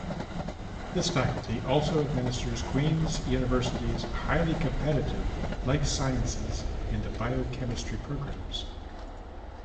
This faculty also administers Queen's University's highly competitive Life Sciences and Biochemistry programs.